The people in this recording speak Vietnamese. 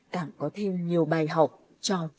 càng có thêm nhiều bài học cho chính mình